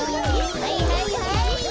はいはいはい。